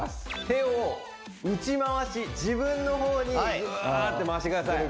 手を内回し自分のほうにぐって回してください